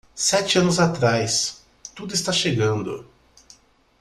Sete anos atrás, tudo está chegando.